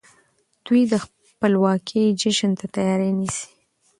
دوی د خپلواکۍ جشن ته تياری نيسي.